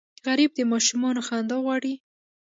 غریب د ماشومانو خندا غواړي